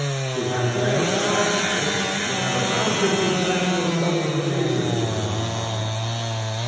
To have failed to ask this would have amotmted to national stultification on our part.